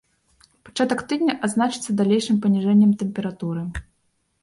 Пачатак тыдня адзначыцца далейшым паніжэннем тэмпературы.